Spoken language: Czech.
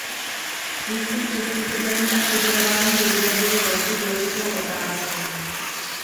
Výzkum přizpůsobení a přidělování dividendy je další důležitou otázkou.